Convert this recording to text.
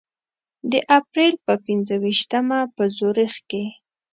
د اپریل په پنځه ویشتمه په زوریخ کې.